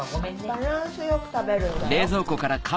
バランス良く食べるんだよ。